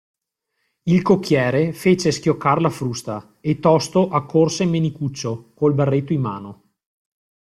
Il cocchiere fece schioccar la frusta e tosto accorse Menicuccio, col berretto in mano.